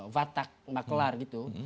watak makelar gitu